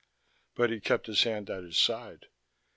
But he kept his hand at his side.